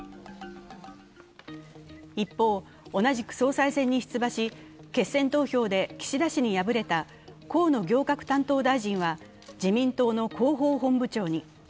一方、同じく総裁選に出馬し、決戦投票で岸田氏に敗れた河野行革担当大臣は自民党の広報本部長に。